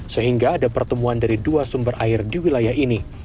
sehingga ada pertemuan dari dua sumber air di wilayah ini